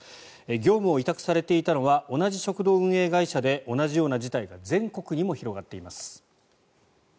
業務を委託されていたのは同じ食堂運営会社で同じような事態が全国にも広がっています。